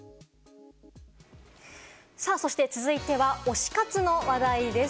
そして続いては、推し活の話題です。